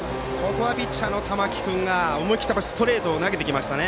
ピッチャーの玉木君が思い切ったストレートを投げてきましたね。